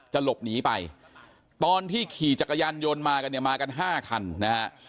หลบหนีไปตอนที่ขี่จักรยานยนต์มากันเนี่ยมากัน๕คันนะฮะ